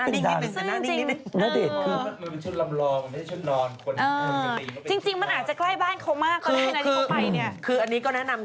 ซึ่งจริงนี่เป็นสิ่งที่เป็นทางนี้นี่เป็นสิ่งที่เป็นสิ่งที่เป็นทางนี้